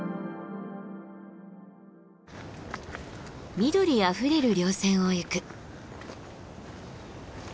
緑あふれる稜線を行く。